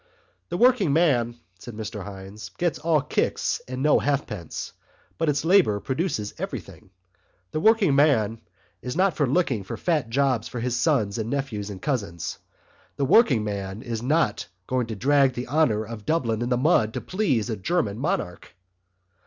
"The working man," said Mr Hynes, "gets all kicks and no halfpence. But it's labour produces everything. The working man is not looking for fat jobs for his sons and nephews and cousins. The working man is not going to drag the honour of Dublin in the mud to please a German monarch."